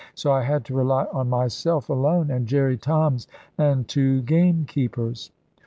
So I had to rely on myself alone, and Jerry Toms, and two gamekeepers.